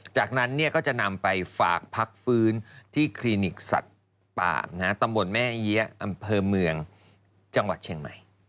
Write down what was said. จากนั้นก็จะนำไปฝากพักฟื้นที่คลินิกสัตว์ป่าตำบลแม่เอี๊ยะอำเภอเมืองจังหวัดเชียงใหม่